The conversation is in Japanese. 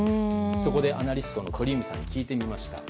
そこでアナリストの鳥海高太朗さんに聞いてみました。